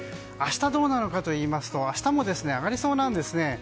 明日どうなのかといいますと明日も上がりそうなんですね。